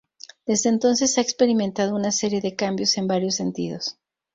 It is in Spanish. Desde entonces ha experimentado una serie de cambios en varios sentidos.